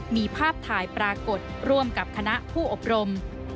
มีภาพถ่ายปรากฏร่วมกับคณะผู้อบรม